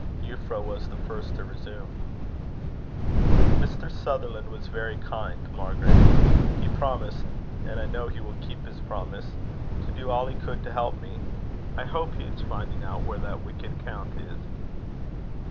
Euphra was the first to resume. "Mr. Sutherland was very kind, Margaret. He promised and I know he will keep his promise to do all he could to help me. I hope he is finding out where that wicked count is."